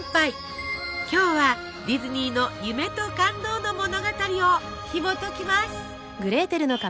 今日はディズニーの夢と感動の物語をひもときます。